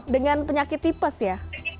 dengan penyakit tipes ya